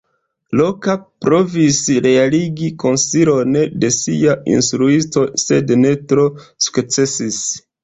Roka provis realigi konsilon de sia instruisto, sed ne tro sukcesis.